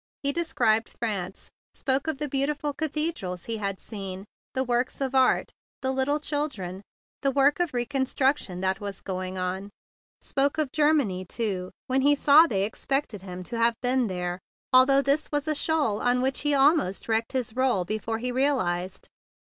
He described France, spoke of the beautiful cathedrals he had seen, the works of art, the little children, the work of reconstruction that was going on, spoke of Germany too, when he saw they expected him to have been there, although this was a shoal on which he almost wrecked his role before he re¬ alized.